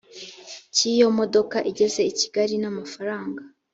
cy iyo modoka igeze i kigali n amafaranga